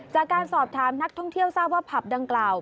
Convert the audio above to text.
จากการสอบถามนักท่องเที่ยวทราบว่าผับดังกล่าว